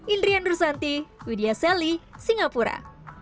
indriandru santi widya sally singapura